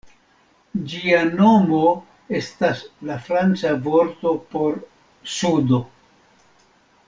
Ĝia nomo estas la franca vorto por "sudo".